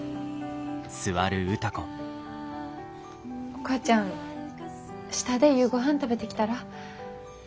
お母ちゃん下で夕ごはん食べてきたら。